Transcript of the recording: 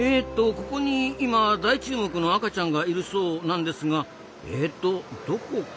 ここに今大注目の赤ちゃんがいるそうなんですがえとどこかな？